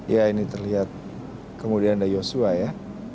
ya ini terlihat kemudian ada yosua ya